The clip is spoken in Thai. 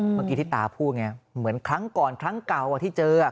เมื่อกี้ที่ตาพูดไงเหมือนครั้งก่อนครั้งเก่าที่เจอ